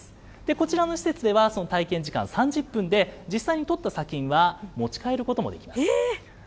こちらの施設ではその体験時間３０分で、実際に採った砂金は、持ち帰ることができます。